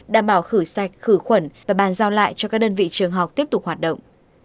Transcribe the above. đảm bảo khử sạch khử khuẩn và bàn giao lại cho các đơn vị trường học tiếp tục hoạt động